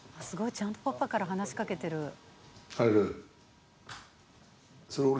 すごいちゃんとパパから話し掛けてる。